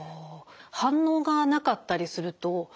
反応がなかったりするとねえ